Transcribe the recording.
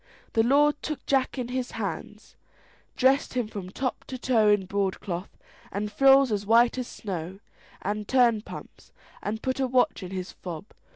The lord took Jack in hands, dressed him from top to toe in broadcloth, and frills as white as snow, and turnpumps, and put a watch in his fob.